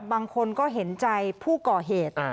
บางคนก็เห็นใจผู้ก่อเหตุ